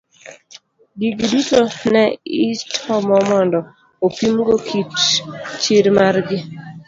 Gigi duto ne itomo mondo opim go kit chir mar gi.